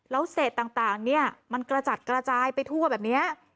แล้วเศษต่างเนี่ยมันกระจัดกระจายไปทั่วแบบนี้